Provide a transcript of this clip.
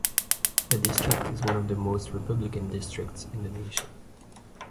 The district is one of the most Republican districts in the nation.